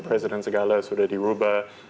presiden segala sudah dirubah